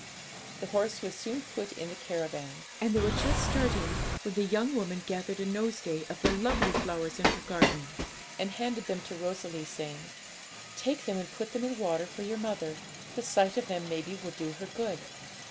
The horse was soon put in the caravan, and they were just starting, when the young woman gathered a nosegay of the lovely flowers in her garden, and handed them to Rosalie, saying, 'Take them, and put them in water for your mother; the sight of them maybe will do her good.